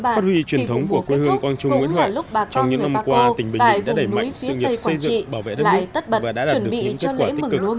quý vị và các bạn kỳ vụ cuối hương quang trung nguyễn huệ trong những năm qua tỉnh bình nhị đã đẩy mạnh sự nghiệp xây dựng bảo vệ đất nước và đã đạt được những kết quả tích cực